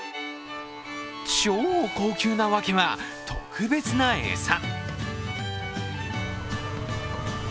超高級な訳は、特別な餌。